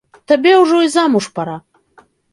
Табе ўжо і замуж пара.